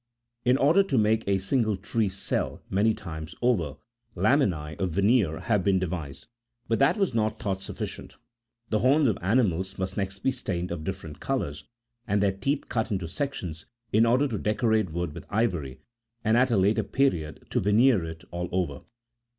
In order to make a single tree sell many times over, laminae of veneer have been de vised ; but that was not thought sufficient — the horns of ani mals^must next be stained of different colours, and their teeth cut into sections, in order to decorate wood with ivoiy, and, at a later period, to veneer it all over.